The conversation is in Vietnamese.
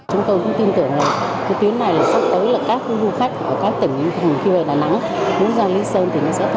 chúng tôi cũng tin tưởng